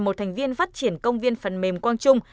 một thành viên phát triển công viên phần mềm quang trung